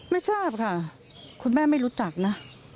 ไม่ทราบค่ะคุณแม่ไม่รู้จักนะ